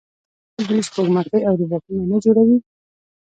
آیا دوی سپوږمکۍ او روباټونه نه جوړوي؟